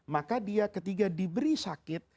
maka dia ketika diberi sakit